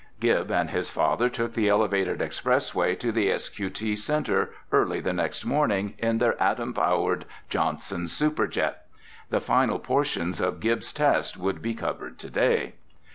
Gib and his father took the elevated expressway to the S.Q.T. center early the next morning in their atom powered Johnson Superjet. The final portions of Gib's test would be covered today.